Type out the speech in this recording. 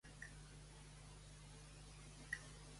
A un assotant no li ve d'una deixuplinada.